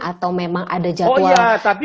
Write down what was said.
atau memang ada jadwal oh iya tapi